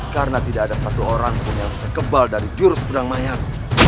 karena tidak ada satu orang pun yang bisa kebal dari jurus pedang mayat